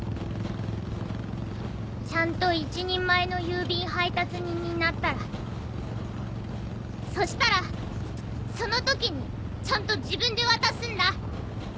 ちゃんと一人前の郵便配達人になったらそしたらその時にちゃんと自分で渡すんだ。